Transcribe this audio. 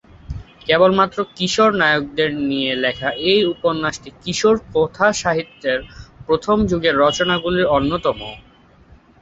কেবলমাত্র কিশোর নায়কদের নিয়ে লেখা এই উপন্যাসটি কিশোর কথাসাহিত্যের প্রথম যুগের রচনাগুলির অন্যতম।